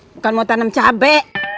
bukan mau tanam cabe